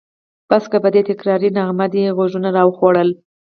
بس که! په دې تکراري نغمه دې غوږونه راوخوړل.